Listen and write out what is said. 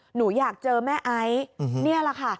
หนูอยากเจอแม่ไอซ์นี่แหละค่ะ